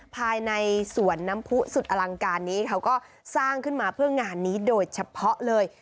ภายในสวนน้ำผู้สุดอลังการนี้เขาก็สร้างขึ้นมาเพื่องานนี้โดยเฉพาะเลย